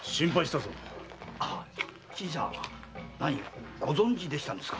何新さんご存じでしたんですか。